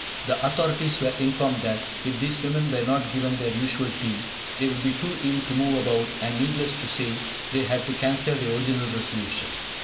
The authorities were informed that, if these women were not given their usual tea, they would be too ill to move about, and, needless to say, they had to cancel their original resolution!